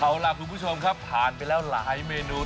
เอาล่ะคุณผู้ชมครับผ่านไปแล้วหลายเมนู